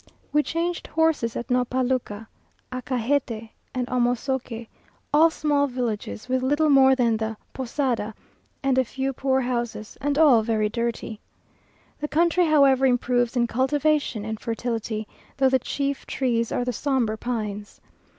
We changed horses at Nopaluca, Acagete and Amosoque, all small villages, with little more than the POSADA, and a few poor houses, and all very dirty. The country, however, improves in cultivation and fertility, though the chief trees are the sombre pines.